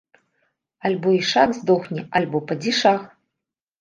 Альбо ішак здохне, альбо падзішах.